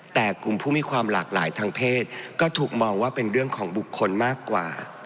แต่กลุ่มผู้มีความหลากหลายทางเพศก็ถูกมองว่าเป็นเรื่องของบุคคลมากกว่า